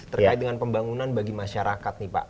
terkait dengan pembangunan bagi masyarakat nih pak